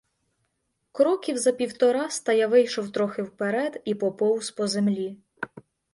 Кроків за півтораста я вийшов трохи вперед і поповз по землі.